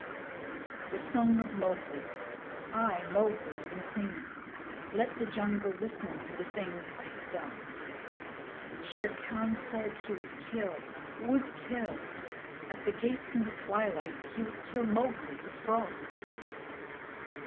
The Song of Mowgli I, Mowgli am singing. Let the jungle listen to the things I have done. Shere Khan said he would kill would kill! At the gates in the twilight he would kill Mowgli, the Frog!